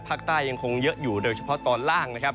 ยังคงเยอะอยู่โดยเฉพาะตอนล่างนะครับ